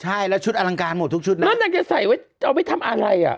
ใช่แล้วชุดอลังการหมดทุกชุดนะแล้วนางจะใส่ไว้จะเอาไปทำอะไรอ่ะ